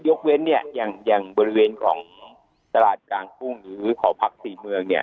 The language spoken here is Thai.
ยกเว้นเนี่ยอย่างบริเวณของตลาดกลางกุ้งหรือหอพักศรีเมืองเนี่ย